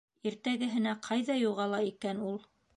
Иртәгеһенә ҡайҙа юғала икән ул?